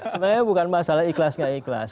sebenarnya bukan masalah ikhlas gak ikhlas